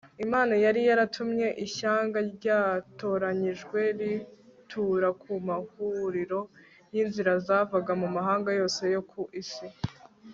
imana yari yaratumye ishyanga ryatoranyijwe ritura ku mahuriro y'inzira zavaga mu mahanga yose yo ku isi